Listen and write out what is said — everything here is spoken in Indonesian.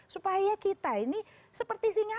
supaya kita ini seperti singapura